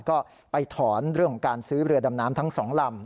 ก็ไปถอนเรื่องของการซื้อเรือดำน้ำทั้งสองลำ